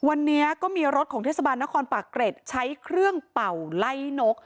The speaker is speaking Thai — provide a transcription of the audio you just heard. วันนี้ก็มีรถของเทศบาลนครปากเกร็ดใช้เครื่องเป่าไล่นก